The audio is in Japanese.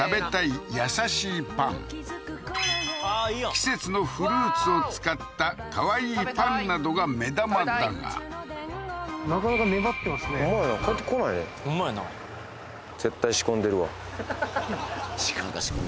季節のフルーツを使った可愛いパンなどが目玉だがなかなか粘ってますねほんま